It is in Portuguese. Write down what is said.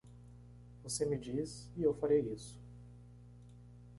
Você me diz? e eu farei isso.